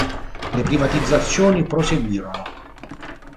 Le privatizzazioni proseguirono.